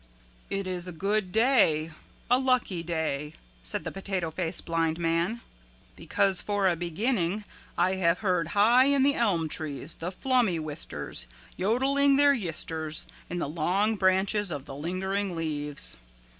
"It is a good day, a lucky day," said the Potato Face Blind Man, "because for a beginning I have heard high in the elm trees the flummywisters yodeling their yisters in the long branches of the lingering leaves.